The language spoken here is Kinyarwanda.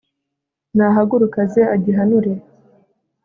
nahaguruke aze agihanure